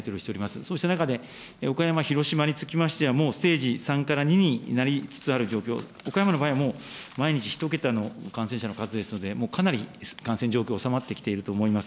そうした中で、岡山、広島につきましては、もうステージ３から２になりつつある状況、岡山の場合はもう毎日１桁の感染者の数でありますので、もうかなり感染状況、収まってきていると思います。